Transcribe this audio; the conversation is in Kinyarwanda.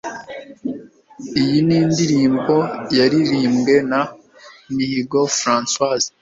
Iyi ni indirimbo yaririmbwe na Mihigo Francois,